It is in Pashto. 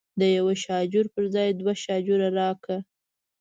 د یوه شاجور پر ځای دوه شاجوره راکړي.